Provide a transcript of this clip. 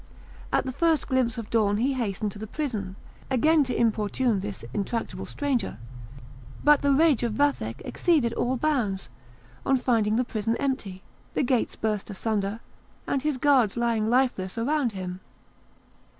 At the first glimpse of dawn he hastened to the prison, again to importune this intractable stranger; but the rage of Vathek exceeded all bounds on finding the prison empty, the gates burst asunder, and his guards lying lifeless around him.